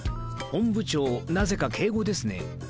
本部長なぜか敬語ですね。